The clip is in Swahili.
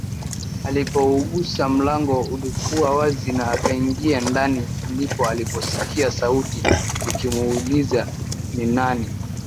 Alipougusa mlango ulikuwa wazi na akaingia ndani ndipo aliposikia sauti ikimuuliza ni nani